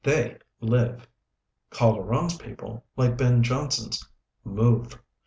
They live; Calderon's people, like Ben Jonson's, move.